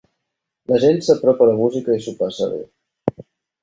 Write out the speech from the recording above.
La gent s'apropa a la música i s'ho passa bé.